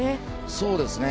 そうですね。